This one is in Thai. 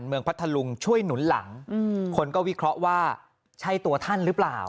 พัทธลุงช่วยหนุนหลังคนก็วิเคราะห์ว่าใช่ตัวท่านหรือเปล่า